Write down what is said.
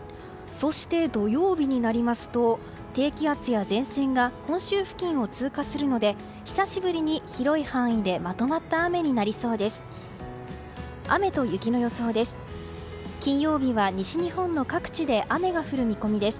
そして、土曜日になりますと低気圧や前線が本州付近を通過するので久しぶりに広い範囲でまとまった雨になりそうです。